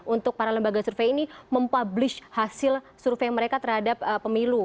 untuk para lembaga survei ini mempublish hasil survei mereka terhadap pemilu